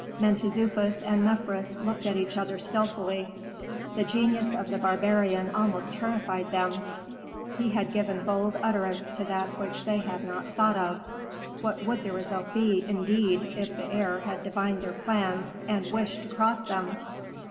Mentezufis and Mefres looked at each other stealthily. The genius of the barbarian almost terrified them; he had given bold utterance to that which they had not thought of. What would the result be, indeed, if the heir had divined their plans and wished to cross them?